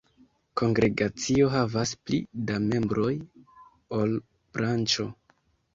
Kongregacio havas pli da membroj ol branĉo.